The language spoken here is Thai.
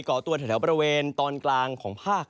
่อตัวแถวบริเวณตอนกลางของภาค